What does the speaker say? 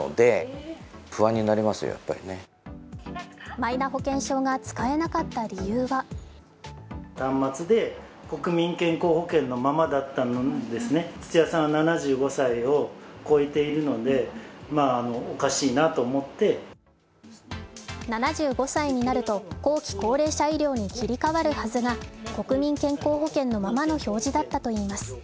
マイナ保険証が使えなかった理由は７５歳になると、後期高齢者医療に切り替わるはずが国民健康保険のままの表示だったといいます。